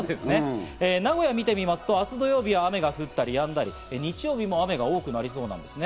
名古屋を見てみますと明日、土曜日は雨が降ったりやんだり、日曜日も雨が多くなりそうです。